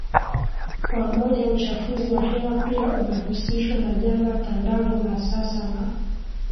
kwa mojaUchafuzi wa hewa pia umehusishwa na janga tandavu la sasa la